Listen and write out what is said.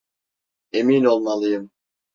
Emin olmalıyım.